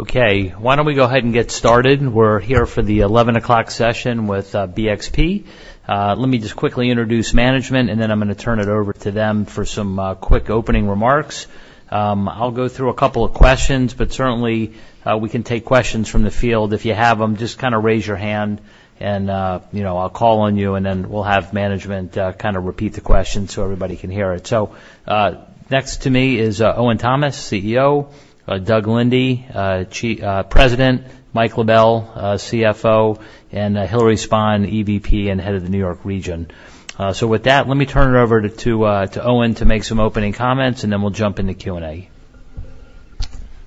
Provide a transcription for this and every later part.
Okay, why don't we go ahead and get started? We're here for the 11 o'clock session with BXP. Let me just quickly introduce management, and then I'm gonna turn it over to them for some quick opening remarks. I'll go through a couple of questions, but certainly we can take questions from the field. If you have them, just kind of raise your hand and you know, I'll call on you, and then we'll have management kind of repeat the question so everybody can hear it. So, next to me is Owen Thomas, CEO, Doug Linde, President, Mike LaBelle, CFO, and Hilary Spann, EVP and head of the New York region. So with that, let me turn it over to Owen to make some opening comments, and then we'll jump into Q&A.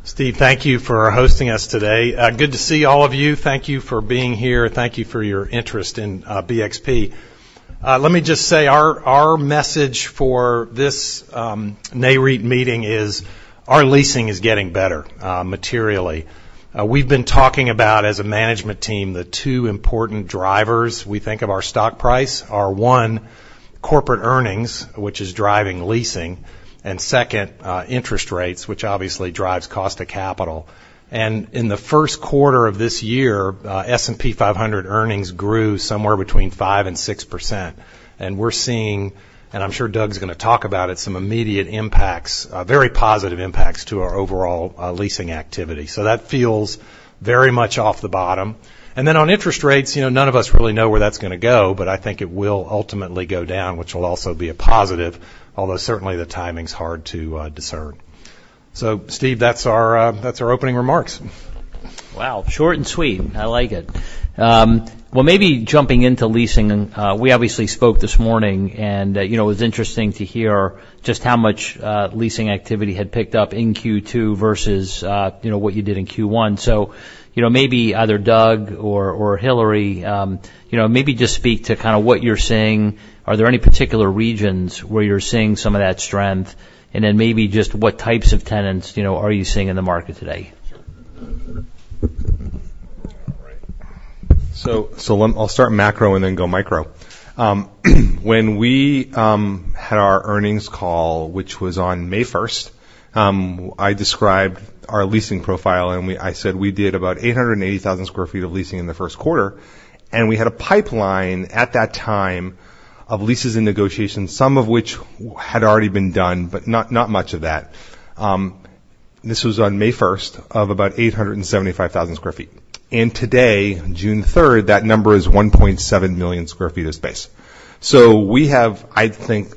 Steve, thank you for hosting us today. Good to see all of you. Thank you for being here, and thank you for your interest in, BXP. Let me just say, our, our message for this, NAREIT meeting is, our leasing is getting better, materially. We've been talking about, as a management team, the two important drivers we think of our stock price are: one, corporate earnings, which is driving leasing, and second, interest rates, which obviously drives cost of capital. And in the first quarter of this year, S&P 500 earnings grew somewhere between 5%-6%. And we're seeing, and I'm sure Doug's gonna talk about it, some immediate impacts, very positive impacts to our overall, leasing activity. So that feels very much off the bottom. And then on interest rates, you know, none of us really know where that's gonna go, but I think it will ultimately go down, which will also be a positive, although certainly the timing's hard to discern. So Steve, that's our, that's our opening remarks. Wow! Short and sweet. I like it. Well, maybe jumping into leasing, and we obviously spoke this morning, and you know, it was interesting to hear just how much leasing activity had picked up in Q2 versus you know, what you did in Q1. So, you know, maybe either Doug or Hilary, you know, maybe just speak to kind of what you're seeing. Are there any particular regions where you're seeing some of that strength? And then maybe just what types of tenants, you know, are you seeing in the market today? Sure. All right. I'll start macro and then go micro. When we had our earnings call, which was on May 1st, I described our leasing profile, and we-- I said we did about 880,000 sq ft of leasing in the first quarter, and we had a pipeline at that time of leases and negotiations, some of which had already been done, but not much of that. This was on May 1st of about 875,000 sq ft. And today, June 3rd, that number is 1.7 million sq ft of space. So we have, I think,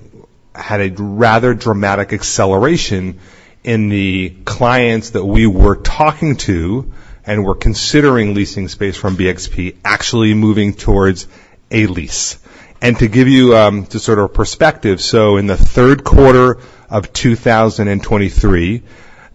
had a rather dramatic acceleration in the clients that we were talking to and were considering leasing space from BXP, actually moving towards a lease. To give you, just sort of a perspective, so in the third quarter of 2023,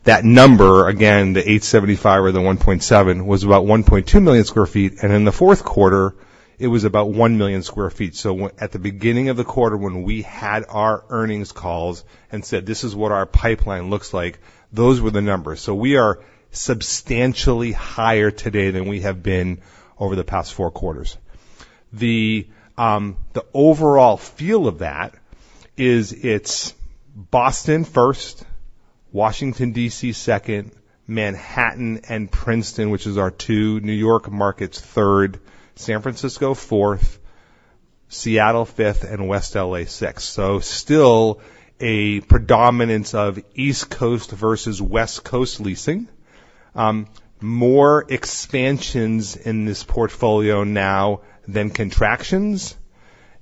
that number, again, the 8.75 or the 1.7, was about 1.2 million sq ft, and in the fourth quarter, it was about 1 million sq ft. So at the beginning of the quarter, when we had our earnings calls and said, "This is what our pipeline looks like," those were the numbers. So we are substantially higher today than we have been over the past four quarters. The overall feel of that is it's Boston first, Washington, D.C., second, Manhattan and Princeton, which is our two New York markets, third, San Francisco, fourth, Seattle, fifth, and West LA, sixth. So still a predominance of East Coast versus West Coast leasing. More expansions in this portfolio now than contractions,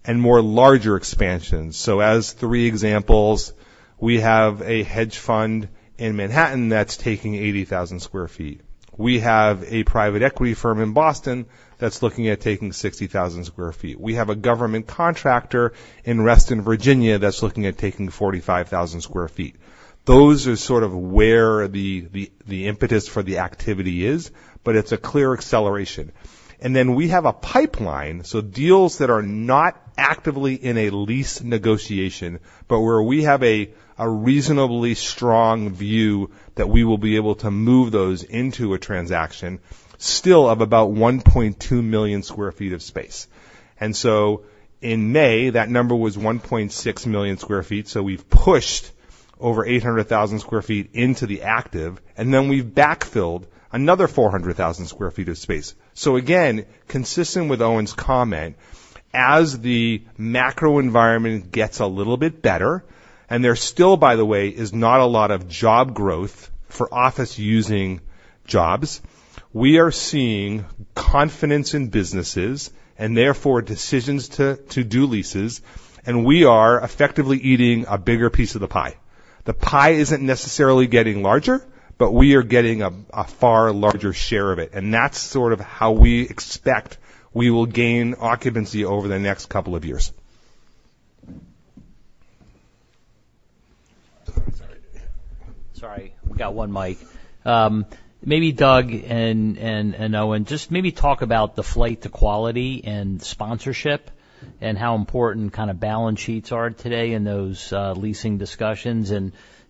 and more larger expansions. So as three examples, we have a hedge fund in Manhattan that's taking 80,000 sq ft. We have a private equity firm in Boston that's looking at taking 60,000 sq ft. We have a government contractor in Reston, Virginia, that's looking at taking 45,000 sq ft. Those are sort of where the impetus for the activity is, but it's a clear acceleration. And then we have a pipeline, so deals that are not actively in a lease negotiation, but where we have a reasonably strong view that we will be able to move those into a transaction, still of about 1.2 million sq ft of space. In May, that number was 1.6 million sq ft, so we've pushed over 800,000 sq ft into the active, and then we've backfilled another 400,000 sq ft of space. Again, consistent with Owen's comment, as the macro environment gets a little bit better, and there still, by the way, is not a lot of job growth for office-using jobs, we are seeing confidence in businesses and therefore decisions to, to do leases, and we are effectively eating a bigger piece of the pie. The pie isn't necessarily getting larger, but we are getting a, a far larger share of it, and that's sort of how we expect we will gain occupancy over the next couple of years. Sorry, sorry. Sorry, we've got one mic. Maybe Doug and Owen, just maybe talk about the flight to quality and sponsorship and how important kind of balance sheets are today in those leasing discussions.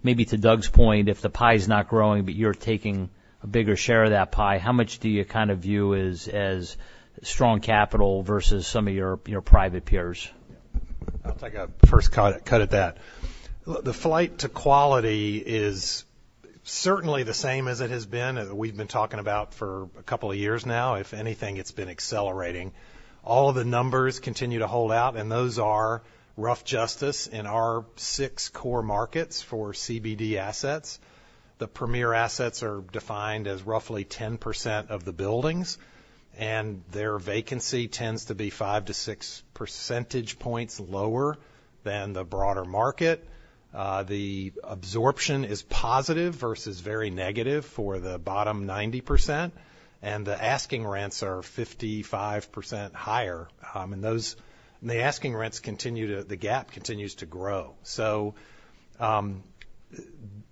Maybe to Doug's point, if the pie is not growing but you're taking a bigger share of that pie, how much do you kind of view as strong capital versus some of your private peers?... I'll take a first cut at that. Look, the flight to quality is certainly the same as it has been, as we've been talking about for a couple of years now. If anything, it's been accelerating. All the numbers continue to hold out, and those are rough justice in our 6 core markets for CBD assets. The premier assets are defined as roughly 10% of the buildings, and their vacancy tends to be 5-6 percentage points lower than the broader market. The absorption is positive versus very negative for the bottom 90%, and the asking rents are 55% higher, and those, the asking rents continue to, the gap continues to grow. So,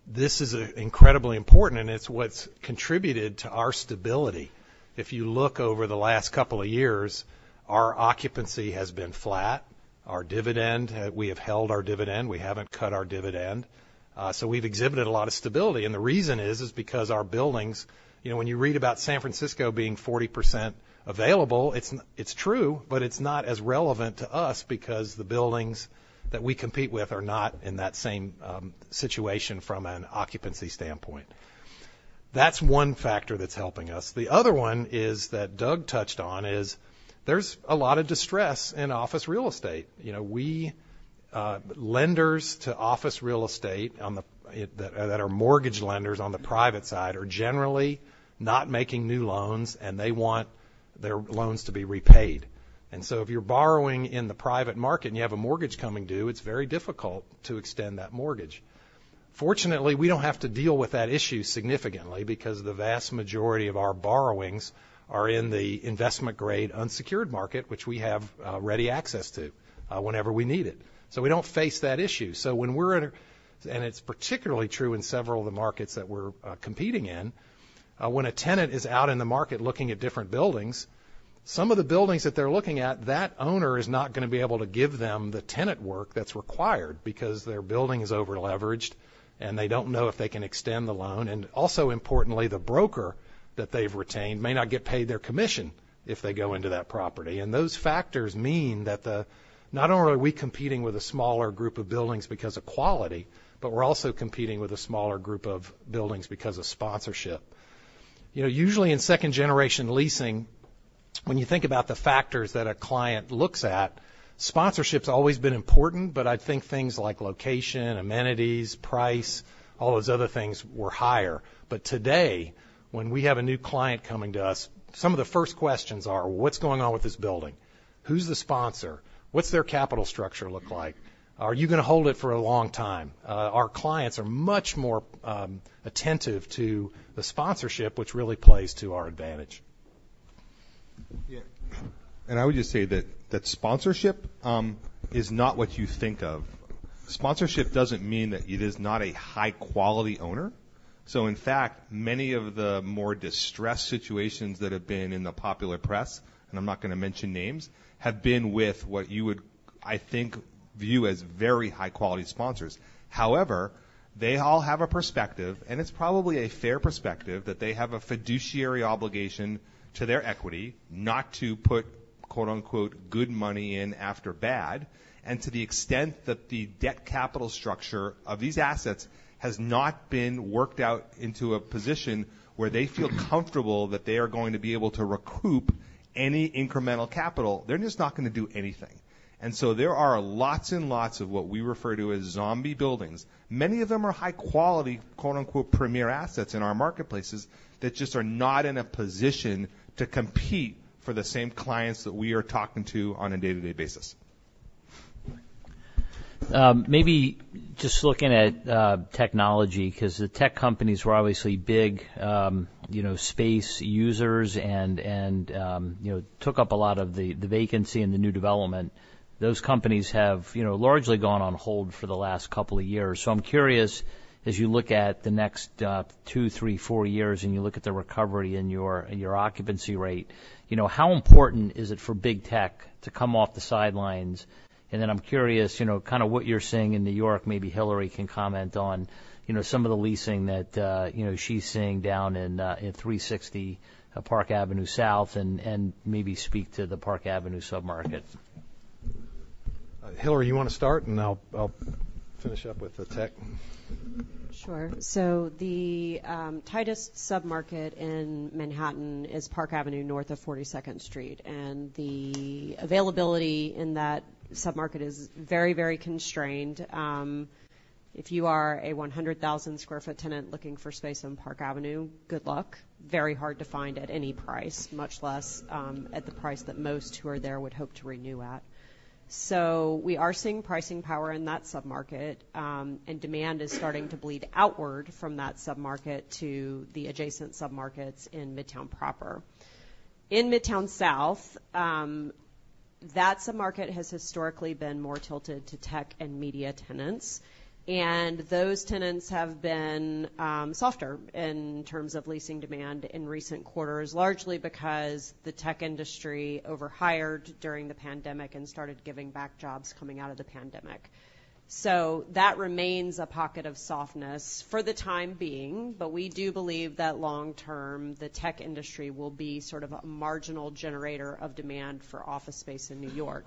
this is incredibly important, and it's what's contributed to our stability. If you look over the last couple of years, our occupancy has been flat. Our dividend, we have held our dividend. We haven't cut our dividend. So we've exhibited a lot of stability, and the reason is, is because our buildings... You know, when you read about San Francisco being 40% available, it's true, but it's not as relevant to us because the buildings that we compete with are not in that same situation from an occupancy standpoint. That's one factor that's helping us. The other one is, that Doug touched on, is there's a lot of distress in office real estate. You know, we lenders to office real estate on the private side are generally not making new loans, and they want their loans to be repaid. And so if you're borrowing in the private market, and you have a mortgage coming due, it's very difficult to extend that mortgage. Fortunately, we don't have to deal with that issue significantly because the vast majority of our borrowings are in the investment-grade, unsecured market, which we have ready access to whenever we need it, so we don't face that issue. So when we're and it's particularly true in several of the markets that we're competing in, when a tenant is out in the market looking at different buildings, some of the buildings that they're looking at, that owner is not gonna be able to give them the tenant work that's required because their building is over-leveraged, and they don't know if they can extend the loan. And also, importantly, the broker that they've retained may not get paid their commission if they go into that property. And those factors mean that the-- not only are we competing with a smaller group of buildings because of quality, but we're also competing with a smaller group of buildings because of sponsorship. You know, usually, in second-generation leasing, when you think about the factors that a client looks at, sponsorship's always been important, but I think things like location, amenities, price, all those other things were higher. But today, when we have a new client coming to us, some of the first questions are: "What's going on with this building? Who's the sponsor? What's their capital structure look like? Are you gonna hold it for a long time?" Our clients are much more attentive to the sponsorship, which really plays to our advantage. Yeah, and I would just say that, that sponsorship is not what you think of. Sponsorship doesn't mean that it is not a high-quality owner. So in fact, many of the more distressed situations that have been in the popular press, and I'm not gonna mention names, have been with what you would, I think, view as very high-quality sponsors. However, they all have a perspective, and it's probably a fair perspective, that they have a fiduciary obligation to their equity, not to put, quote, unquote, "good money in after bad." And to the extent that the debt capital structure of these assets has not been worked out into a position where they feel comfortable that they are going to be able to recoup any incremental capital, they're just not gonna do anything. And so there are lots and lots of what we refer to as zombie buildings. Many of them are high quality, quote, unquote, "premier assets" in our marketplaces that just are not in a position to compete for the same clients that we are talking to on a day-to-day basis. Maybe just looking at technology, 'cause the tech companies were obviously big, you know, space users and, and you know, took up a lot of the vacancy in the new development. Those companies have, you know, largely gone on hold for the last couple of years. So I'm curious, as you look at the next two, three, four years, and you look at the recovery in your occupancy rate, you know, how important is it for big tech to come off the sidelines? And then I'm curious, you know, kind of what you're seeing in New York. Maybe Hilary can comment on, you know, some of the leasing that, you know, she's seeing down in 360 Park Avenue South and maybe speak to the Park Avenue submarket. Hilary, you want to start, and I'll finish up with the tech? Sure. So the tightest submarket in Manhattan is Park Avenue, north of 42nd Street, and the availability in that submarket is very, very constrained. If you are a 100,000 sq ft tenant looking for space on Park Avenue, good luck. Very hard to find at any price, much less at the price that most who are there would hope to renew at. So we are seeing pricing power in that submarket, and demand is starting to bleed outward from that submarket to the adjacent submarkets in Midtown proper. In Midtown South, that submarket has historically been more tilted to tech and media tenants, and those tenants have been softer in terms of leasing demand in recent quarters, largely because the tech industry overhired during the pandemic and started giving back jobs coming out of the pandemic... So that remains a pocket of softness for the time being, but we do believe that long term, the tech industry will be sort of a marginal generator of demand for office space in New York.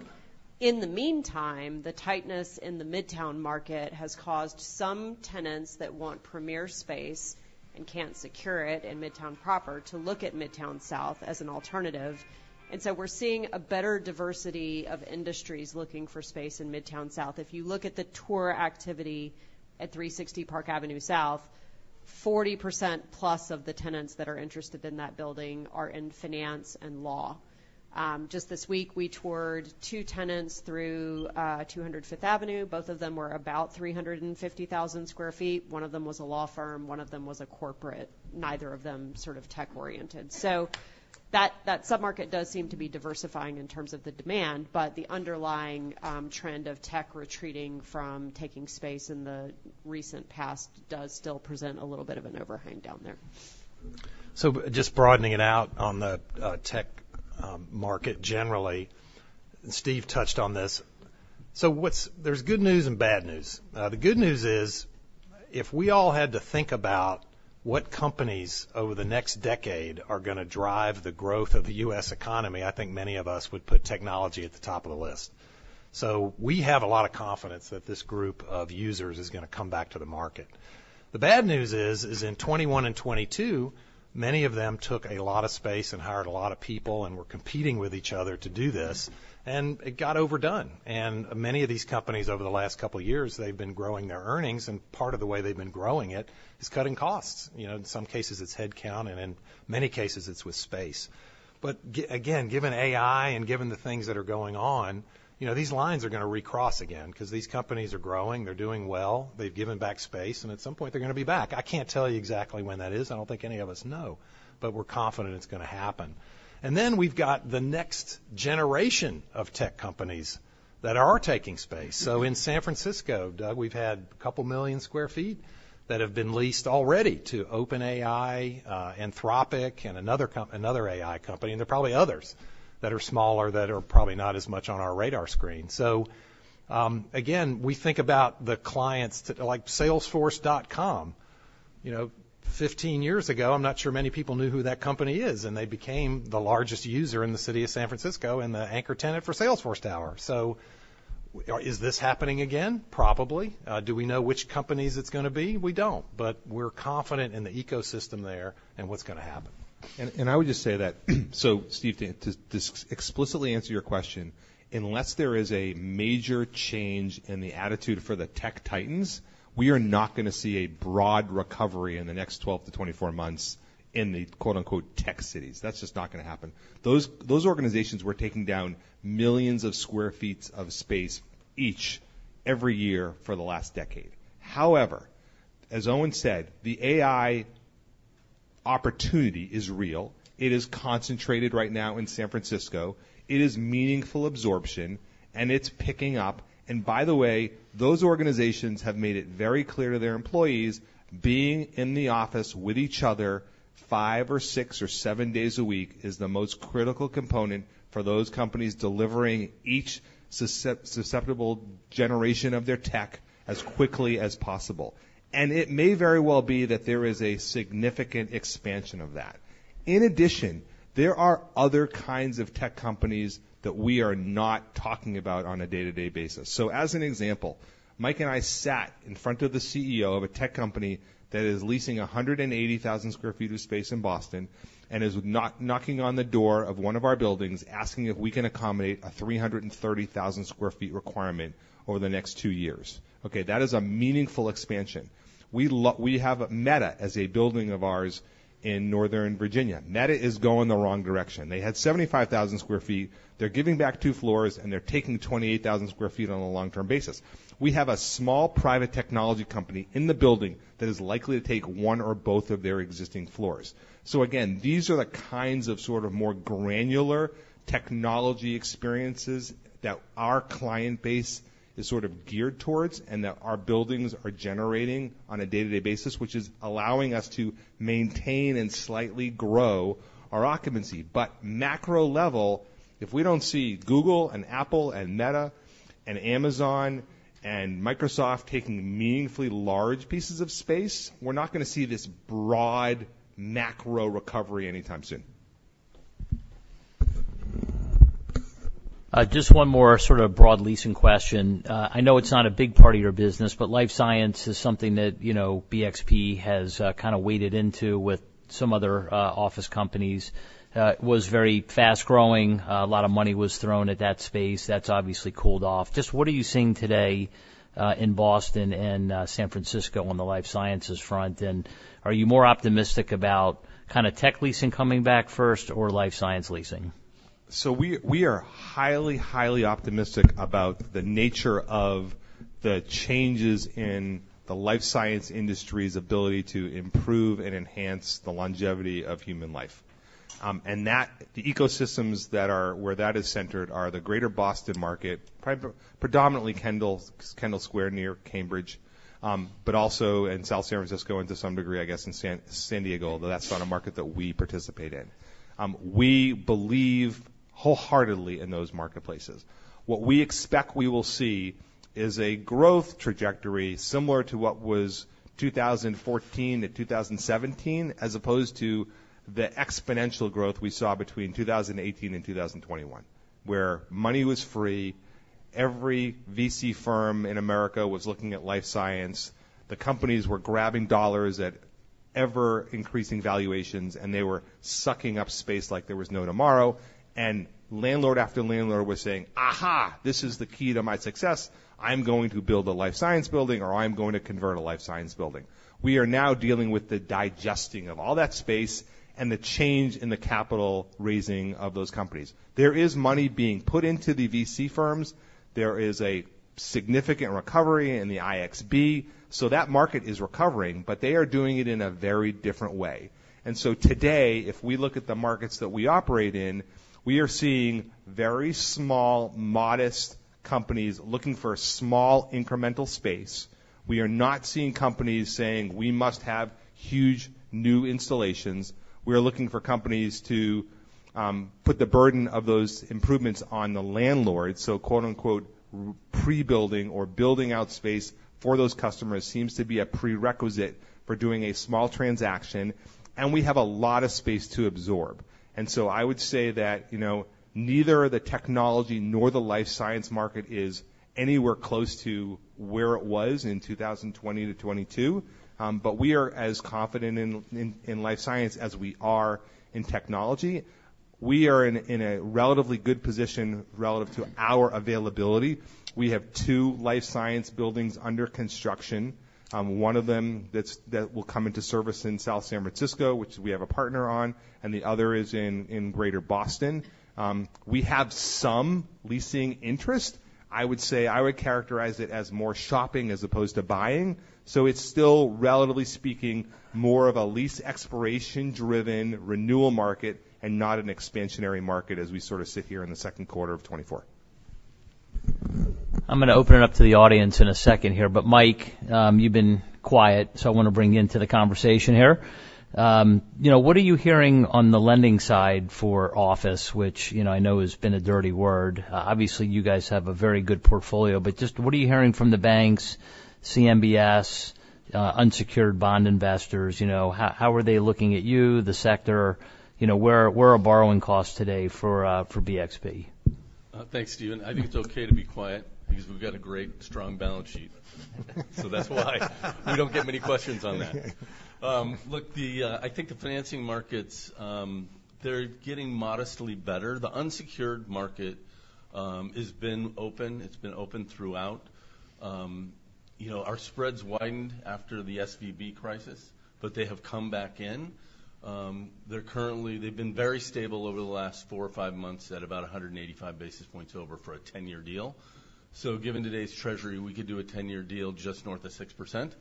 In the meantime, the tightness in the Midtown market has caused some tenants that want premier space and can't secure it in Midtown proper, to look at Midtown South as an alternative. And so we're seeing a better diversity of industries looking for space in Midtown South. If you look at the tour activity at 360 Park Avenue South, 40%+ of the tenants that are interested in that building are in finance and law. Just this week, we toured two tenants through 200 Fifth Avenue. Both of them were about 350,000 sq ft. One of them was a law firm, one of them was a corporate. Neither of them sort of tech-oriented. So that, that submarket does seem to be diversifying in terms of the demand, but the underlying trend of tech retreating from taking space in the recent past does still present a little bit of an overhang down there. So just broadening it out on the tech market generally, Steve touched on this. So, there's good news and bad news. The good news is, if we all had to think about what companies over the next decade are gonna drive the growth of the U.S. economy, I think many of us would put technology at the top of the list. So we have a lot of confidence that this group of users is gonna come back to the market. The bad news is in 2021 and 2022, many of them took a lot of space and hired a lot of people, and were competing with each other to do this, and it got overdone. And many of these companies over the last couple of years, they've been growing their earnings, and part of the way they've been growing it is cutting costs. You know, in some cases it's headcount, and in many cases it's with space. But again, given AI and given the things that are going on, you know, these lines are gonna recross again, 'cause these companies are growing, they're doing well, they've given back space, and at some point, they're gonna be back. I can't tell you exactly when that is. I don't think any of us know, but we're confident it's gonna happen. And then we've got the next generation of tech companies that are taking space. So in San Francisco, Doug, we've had 2 million sq ft that have been leased already to OpenAI, Anthropic, and another AI company, and there are probably others that are smaller that are probably not as much on our radar screen. So, again, we think about the clients, like Salesforce.com. You know, 15 years ago, I'm not sure many people knew who that company is, and they became the largest user in the city of San Francisco and the anchor tenant for Salesforce Tower. So, is this happening again? Probably. Do we know which companies it's gonna be? We don't, but we're confident in the ecosystem there and what's gonna happen. I would just say that, so Steve, to explicitly answer your question, unless there is a major change in the attitude for the tech titans, we are not gonna see a broad recovery in the next 12-24 months in the, quote, unquote, "tech cities." That's just not gonna happen. Those organizations were taking down millions of sq ft of space each, every year for the last decade. However, as Owen said, the AI opportunity is real. It is concentrated right now in San Francisco. It is meaningful absorption, and it's picking up. And by the way, those organizations have made it very clear to their employees, being in the office with each other, five, six, or seven days a week, is the most critical component for those companies delivering each successive generation of their tech as quickly as possible. It may very well be that there is a significant expansion of that. In addition, there are other kinds of tech companies that we are not talking about on a day-to-day basis. So as an example, Mike and I sat in front of the CEO of a tech company that is leasing 180,000 sq ft of space in Boston and is knock-knocking on the door of one of our buildings, asking if we can accommodate a 330,000 sq ft requirement over the next two years. Okay, that is a meaningful expansion. We have Meta as a building of ours in Northern Virginia. Meta is going the wrong direction. They had 75,000 sq ft. They're giving back two floors, and they're taking 28,000 sq ft on a long-term basis. We have a small, private technology company in the building that is likely to take one or both of their existing floors. So again, these are the kinds of sort of more granular technology experiences that our client base is sort of geared towards, and that our buildings are generating on a day-to-day basis, which is allowing us to maintain and slightly grow our occupancy. But macro level, if we don't see Google and Apple and Meta and Amazon and Microsoft taking meaningfully large pieces of space, we're not gonna see this broad, macro recovery anytime soon. Just one more sort of broad leasing question. I know it's not a big part of your business, but life science is something that, you know, BXP has kind of waded into with some other office companies. It was very fast-growing. A lot of money was thrown at that space. That's obviously cooled off. Just what are you seeing today in Boston and San Francisco on the life sciences front? And are you more optimistic about kind of tech leasing coming back first or life science leasing? So we are highly, highly optimistic about the nature of the changes in the life science industry's ability to improve and enhance the longevity of human life. And that the ecosystems where that is centered are the Greater Boston market, predominantly Kendall Square near Cambridge, but also in South San Francisco and to some degree, I guess, in San Diego, though that's not a market that we participate in. We believe wholeheartedly in those marketplaces. What we expect we will see is a growth trajectory similar to what was 2014-2017, as opposed to the exponential growth we saw between 2018 and 2021, where money was free, every VC firm in America was looking at life science. The companies were grabbing dollars at ever-increasing valuations, and they were sucking up space like there was no tomorrow, and landlord after landlord was saying, "Aha! This is the key to my success. I'm going to build a life science building, or I'm going to convert a life science building." We are now dealing with the digesting of all that space and the change in the capital raising of those companies. There is money being put into the VC firms. There is a significant recovery in the XBI, so that market is recovering, but they are doing it in a very different way. And so today, if we look at the markets that we operate in, we are seeing very small, modest companies looking for a small, incremental space. We are not seeing companies saying, "We must have huge new installations." We are looking for companies to put the burden of those improvements on the landlord. So quote-unquote, "pre-building" or building out space for those customers seems to be a prerequisite for doing a small transaction, and we have a lot of space to absorb. And so I would say that, you know, neither the technology nor the life science market is anywhere close to where it was in 2020-2022. But we are as confident in life science as we are in technology. We are in a relatively good position relative to our availability. We have two life science buildings under construction. One of them that will come into service in South San Francisco, which we have a partner on, and the other is in Greater Boston. We have some leasing interest. I would say, I would characterize it as more shopping as opposed to buying. So it's still, relatively speaking, more of a lease exploration-driven renewal market and not an expansionary market as we sort of sit here in the second quarter of 2024. I'm gonna open it up to the audience in a second here, but, Mike, you've been quiet, so I wanna bring you into the conversation here. You know, what are you hearing on the lending side for office, which, you know, I know has been a dirty word? Obviously, you guys have a very good portfolio, but just what are you hearing from the banks, CMBS, unsecured bond investors, you know, how, how are they looking at you, the sector? You know, where, where are borrowing costs today for, for BXP? Thanks, Steven. I think it's okay to be quiet because we've got a great, strong balance sheet. So that's why we don't get many questions on that. Look, I think the financing markets, they're getting modestly better. The unsecured market has been open. It's been open throughout. You know, our spreads widened after the SVB crisis, but they have come back in. They've been very stable over the last four or five months at about 185 basis points over for a 10-year deal. So given today's Treasury, we could do a 10-year deal just north of 6%.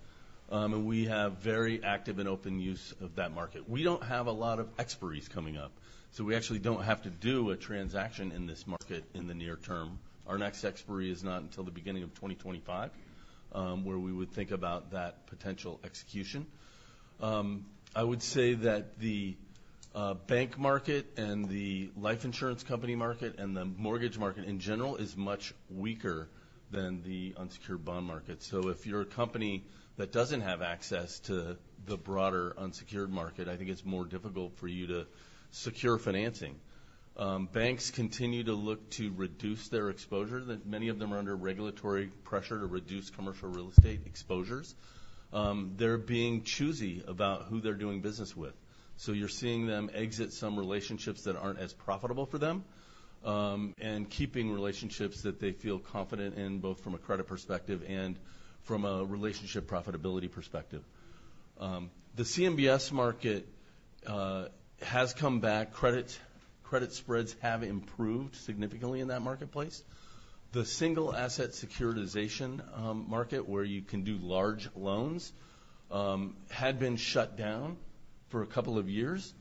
And we have very active and open use of that market. We don't have a lot of expiries coming up, so we actually don't have to do a transaction in this market in the near term. Our next expiry is not until the beginning of 2025, where we would think about that potential execution. I would say that the bank market and the life insurance company market, and the mortgage market, in general, is much weaker than the unsecured bond market. So if you're a company that doesn't have access to the broader unsecured market, I think it's more difficult for you to secure financing. Banks continue to look to reduce their exposure. Many of them are under regulatory pressure to reduce commercial real estate exposures. They're being choosy about who they're doing business with. So you're seeing them exit some relationships that aren't as profitable for them, and keeping relationships that they feel confident in, both from a credit perspective and from a relationship profitability perspective. The CMBS market has come back. Credit, credit spreads have improved significantly in that marketplace. The single asset securitization market, where you can do large loans, had been shut down for a couple of years.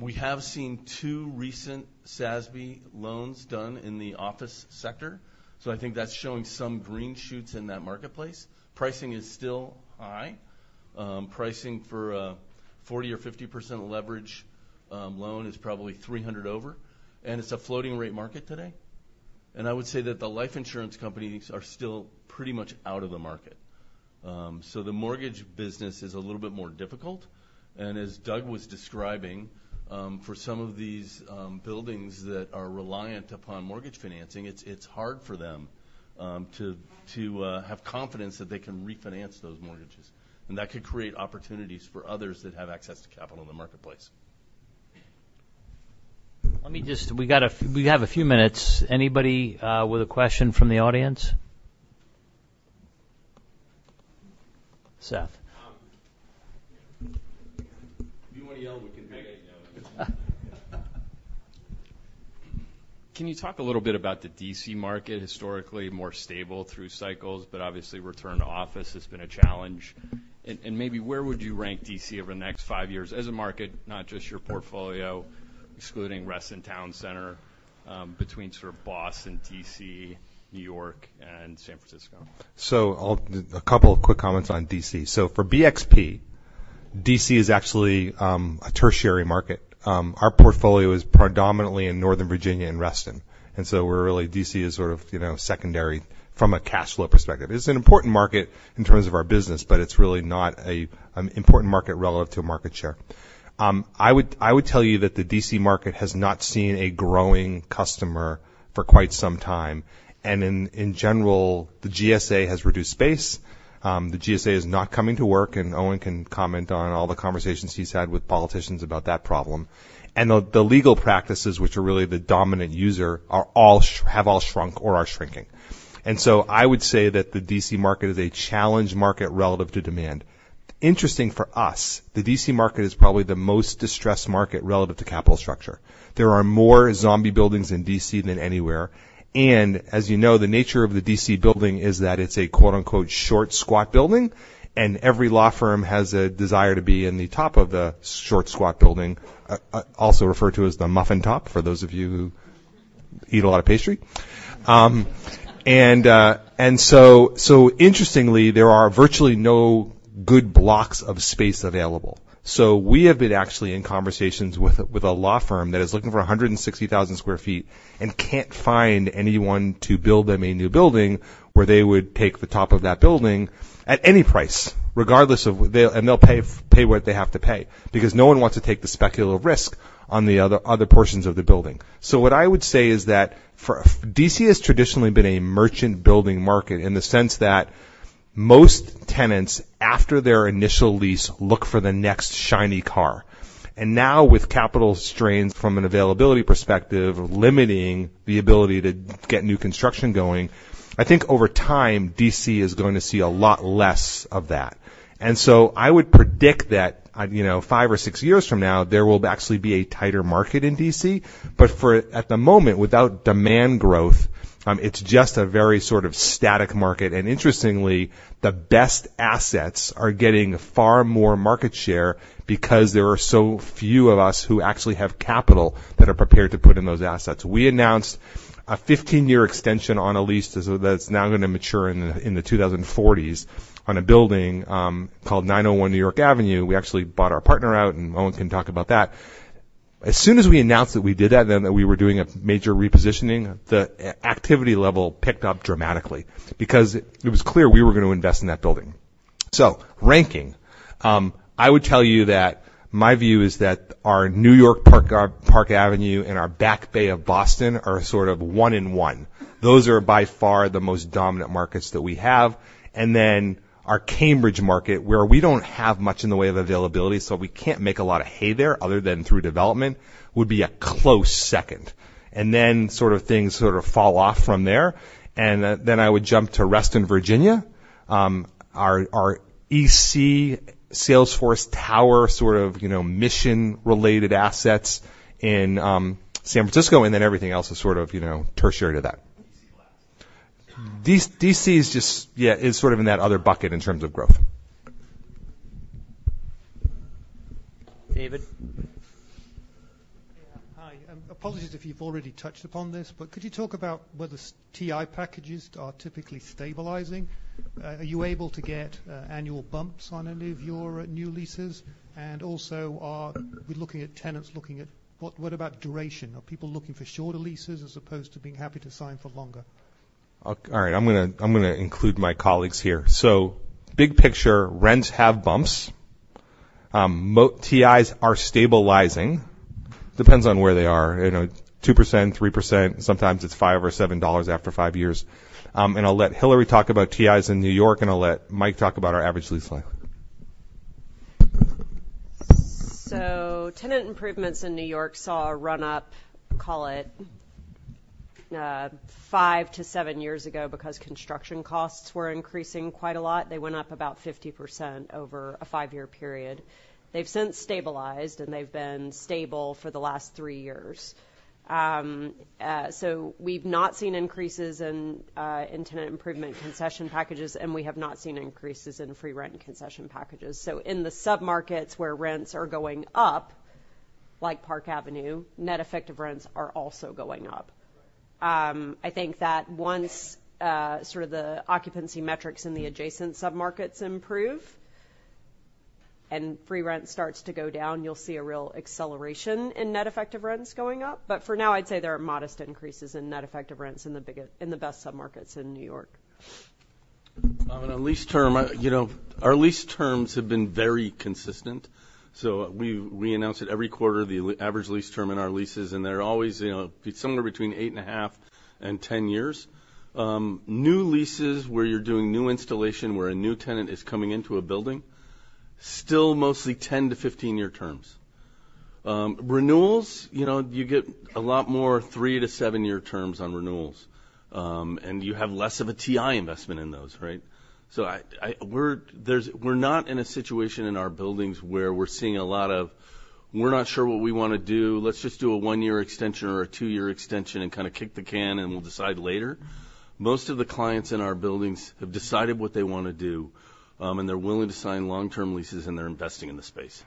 We have seen two recent SASB loans done in the office sector, so I think that's showing some green shoots in that marketplace. Pricing is still high. Pricing for a 40%-50% leverage loan is probably 300 over, and it's a floating rate market today. And I would say that the life insurance companies are still pretty much out of the market. So the mortgage business is a little bit more difficult, and as Doug was describing, for some of these buildings that are reliant upon mortgage financing, it's hard for them to have confidence that they can refinance those mortgages, and that could create opportunities for others that have access to capital in the marketplace. Let me just... We have a few minutes. Anybody with a question from the audience? Seth. If you want to yell, we can hear you. Can you talk a little bit about the D.C. market? Historically, more stable through cycles, but obviously, return to office has been a challenge. And maybe where would you rank D.C. over the next five years as a market, not just your portfolio, excluding Reston Town Center, between sort of Boston, D.C., New York, and San Francisco? A couple of quick comments on D.C. So for BXP, D.C. is actually a tertiary market. Our portfolio is predominantly in Northern Virginia, in Reston. And so we're really, D.C. is sort of, you know, secondary from a cash flow perspective. It's an important market in terms of our business, but it's really not an important market relative to market share. I would tell you that the D.C. market has not seen a growing customer for quite some time, and in general, the GSA has reduced space. The GSA is not coming to work, and Owen can comment on all the conversations he's had with politicians about that problem. And the legal practices, which are really the dominant user, have all shrunk or are shrinking. And so I would say that the D.C. market is a challenged market relative to demand. Interesting for us, the D.C. market is probably the most distressed market relative to capital structure. There are more zombie buildings in D.C. than anywhere, and as you know, the nature of the D.C. building is that it's a, quote, unquote, "short, squat building," and every law firm has a desire to be in the top of the short, squat building, also referred to as the muffin top, for those of you who eat a lot of pastry. Interestingly, there are virtually no good blocks of space available. So we have been actually in conversations with a law firm that is looking for 160,000 sq ft and can't find anyone to build them a new building, where they would take the top of that building at any price, regardless of... And they'll pay what they have to pay, because no one wants to take the speculative risk on the other portions of the building. So what I would say is that for—D.C. has traditionally been a merchant building market, in the sense that most tenants, after their initial lease, look for the next shiny car. And now, with capital strains from an availability perspective, limiting the ability to get new construction going, I think over time, D.C. is going to see a lot less of that. So I would predict that, you know, five or six years from now, there will actually be a tighter market in D.C. But for... At the moment, without demand growth, it's just a very sort of static market. And interestingly, the best assets are getting far more market share because there are so few of us who actually have capital that are prepared to put in those assets. We announced a 15-year extension on a lease, that's now gonna mature in the, in the 2040s, on a building called 901 New York Avenue. We actually bought our partner out, and Owen can talk about that. As soon as we announced that we did that, then, that we were doing a major repositioning, the activity level picked up dramatically because it, it was clear we were gonna invest in that building. So ranking, I would tell you that my view is that our New York, Park Avenue and our Back Bay of Boston are sort of one and one. Those are by far the most dominant markets that we have. And then our Cambridge market, where we don't have much in the way of availability, so we can't make a lot of hay there, other than through development, would be a close second. And then, sort of things sort of fall off from there. And then I would jump to Reston, Virginia, our SF Salesforce Tower, sort of, you know, mission-related assets in San Francisco, and then everything else is sort of, you know, tertiary to that. DC last. D.C., D.C. is just, yeah, is sort of in that other bucket in terms of growth. David? Hi, apologies if you've already touched upon this, but could you talk about whether TI packages are typically stabilizing? Are you able to get annual bumps on any of your new leases? And also, are we looking at tenants looking at... What about duration? Are people looking for shorter leases as opposed to being happy to sign for longer? All right, I'm gonna include my colleagues here. So big picture, rents have bumps. TIs are stabilizing. Depends on where they are, you know, 2%, 3%, sometimes it's $5 or $7 after five years. And I'll let Hilary talk about TIs in New York, and I'll let Mike talk about our average lease length. So tenant improvements in New York saw a run-up, call it, five to seven years ago, because construction costs were increasing quite a lot. They went up about 50% over a five-year period. They've since stabilized, and they've been stable for the last three years. So we've not seen increases in in tenant improvement concession packages, and we have not seen increases in free rent and concession packages. So in the submarkets where rents are going up, like Park Avenue, net effective rents are also going up. I think that once sort of the occupancy metrics in the adjacent submarkets improve and free rent starts to go down, you'll see a real acceleration in net effective rents going up. But for now, I'd say there are modest increases in net effective rents in the best submarkets in New York. On lease term, you know, our lease terms have been very consistent, so we announce it every quarter, the average lease term in our leases, and they're always, you know, somewhere between 8.5 and 10 years. New leases, where you're doing new installation, where a new tenant is coming into a building, still mostly 10- to 15-year terms. Renewals, you know, you get a lot more three- to seven-year terms on renewals, and you have less of a TI investment in those, right? So we're not in a situation in our buildings where we're seeing a lot of, "We're not sure what we wanna do. Let's just do a one-year extension or a two-year extension and kind of kick the can, and we'll decide later." Most of the clients in our buildings have decided what they want to do, and they're willing to sign long-term leases, and they're investing in the space.